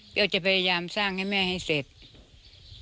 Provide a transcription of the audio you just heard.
เปรี้ยวจะพยายามสร้างให้แม่ให้เสร็จ